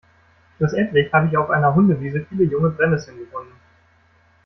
Schlussendlich hab ich auf einer Hundewiese viele junge Brennesseln gefunden.